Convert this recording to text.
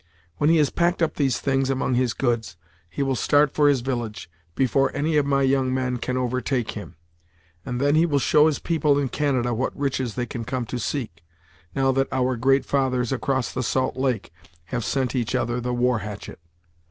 When he has packed up these things among his goods, he will start for his village, before any of my young men can overtake him, and then he will show his people in Canada what riches they can come to seek, now that our great fathers, across the Salt Lake, have sent each other the war hatchet.